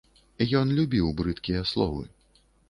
Ён любіў брыдкія словы.